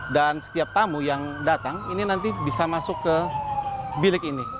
dan setiap tamu yang datang ini nanti bisa masuk ke bilik ini